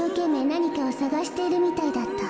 なにかをさがしているみたいだった。